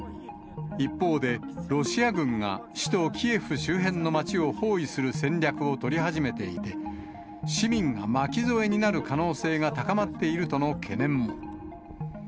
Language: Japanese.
一方で、ロシア軍が首都キエフ周辺の町を包囲する戦略を取り始めていて、市民が巻き添えになる可能性が高まっているとの懸念も。